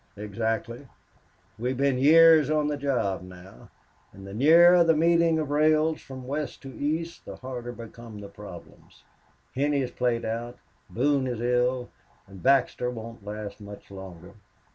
"Exactly. We've been years on the job now, and the nearer the meeting of rails from west to east the harder become our problems. Henney is played out, Boone is ill, Baxter won't last much longer.